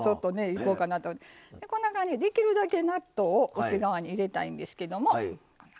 こんな感じで、できるだけ納豆を内側に入れたいんですけど。